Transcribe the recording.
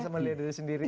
masa melihat diri sendiri